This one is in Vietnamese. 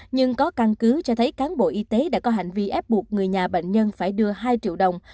nhưng có căn cứ cho thấy cán bộ y tế đã có hành vi ép buộc người nhà bệnh nhân phải đưa hai triệu đồng